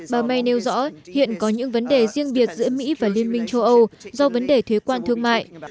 bà may nêu rõ hiện có những vấn đề riêng biệt giữa mỹ và liên minh châu âu do vấn đề thuế quan thương mại